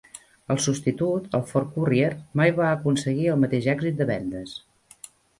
El substitut, el Ford Courier, mai va aconseguir el mateix èxit de vendes.